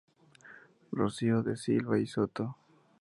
Rocío de Silva y Soto.